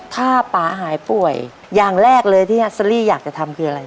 ถ้าป๊าหายป่วยอย่างแรกเลยที่ฮัสเตอรี่อยากจะทำคืออะไร